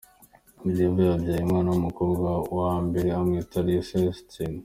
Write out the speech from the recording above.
Mileva yabyaye umwana w'umukobwa wambere amwita Liesel Einstein.